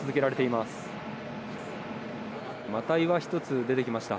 また岩１つ、出てきました。